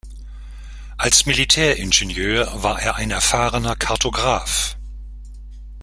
Als Militäringenieur war er ein erfahrener Kartograph.